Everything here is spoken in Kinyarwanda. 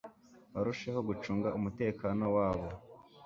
barusheho gucunga umutekano wabo